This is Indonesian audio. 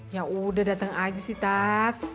ya udah datang aja sih tat